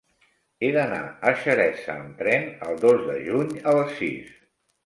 He d'anar a Xeresa amb tren el dos de juny a les sis.